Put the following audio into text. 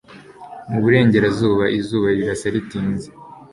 Mu burengerazuba izuba rirasa ritinze